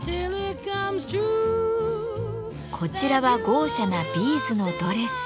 こちらは豪奢なビーズのドレス。